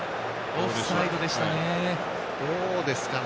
オフサイドでしたね。